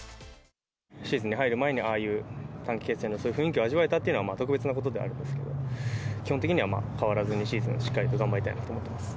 シーズンに入る前に、ああいう短期決戦のそういう雰囲気を味わえたっていうのは、特別なことであるんですけど、基本的には変わらずにシーズンしっかりと頑張りたいなと思っています。